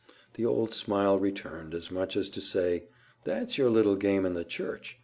The old smile returned—as much as to say, "That's your little game in the church."